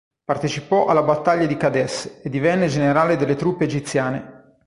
Partecipò alla battaglia di Qadeš e divenne generale delle truppe egiziane.